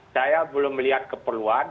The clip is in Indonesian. saya belum melihat keperluan